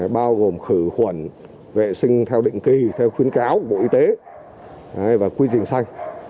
bao gồm khử khuẩn vệ sinh theo định kỳ theo khuyến cáo của bộ y tế và quy trình xanh